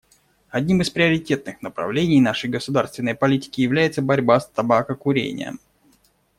Одним из приоритетных направлений нашей государственной политики является борьба с табакокурением.